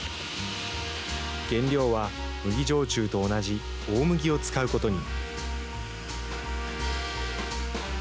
原料は麦焼酎と同じ、大麦を使うことに。